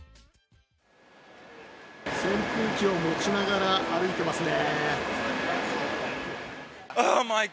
扇風機を持ちながら歩いてますね。